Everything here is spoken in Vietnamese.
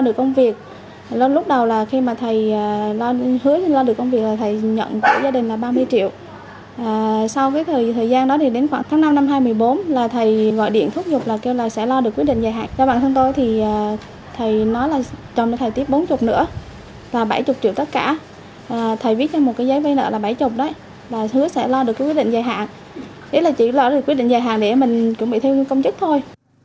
chị lo được quyết định dài hạn để mình chuẩn bị theo công chức thôi